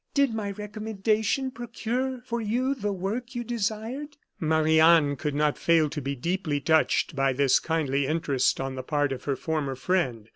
Did my recommendation procure for you the work you desired?" Marie Anne could not fail to be deeply touched by this kindly interest on the part of her former friend.